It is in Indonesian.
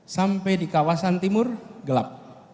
sampai di kawasan timur gelap